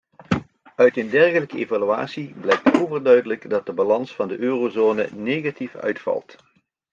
Uit een dergelijke evaluatie blijkt overduidelijk dat de balans van de eurozone negatief uitvalt.